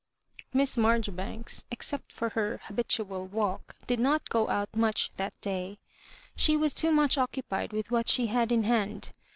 Miss Mabjortbankks, except for her habitual walk, did not go out much that day. She was too much occupied with what she had in hand.